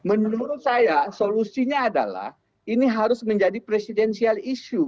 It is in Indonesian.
menurut saya solusinya adalah ini harus menjadi presidensial issue